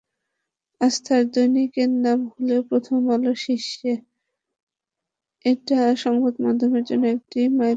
আস্থার দৈনিকের নাম হলেও প্রথম আলো শীর্ষে, এটা সংবাদমাধ্যমের জন্য একটি মাইলফলক।